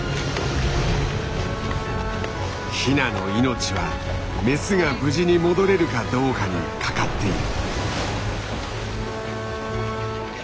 ヒナの命はメスが無事に戻れるかどうかにかかっている。